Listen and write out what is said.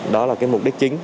đó là cái mục đích chính